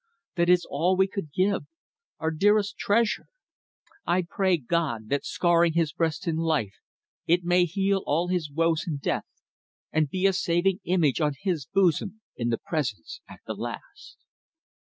That is all we could give our dearest treasure. I pray God that, scarring his breast in life, it may heal all his woes in death, and be a saving image on his bosom in the Presence at the last."